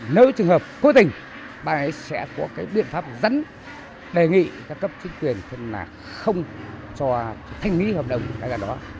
nếu trường hợp cố tình bà ấy sẽ có biện pháp dẫn đề nghị các cấp chính quyền không cho thanh mỹ hợp đồng